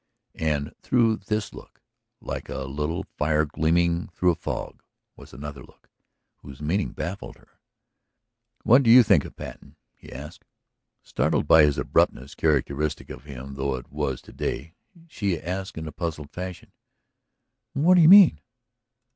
And through this look, like a little fire gleaming through a fog, was another look whose meaning baffled her. "What do you think of Patten?" he asked. Startled by his abruptness, characteristic of him though it was to day, she asked in puzzled fashion: "What do you mean?"